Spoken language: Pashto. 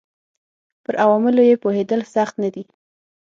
پر عواملو یې پوهېدل سخت نه دي.